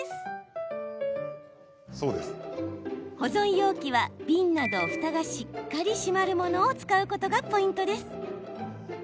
保存容器は、瓶などふたがしっかり閉まるものを使うことがポイント。